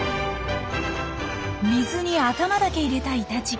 水に頭だけ入れたイタチ。